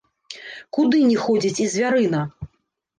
Куды не ходзіць і звярына?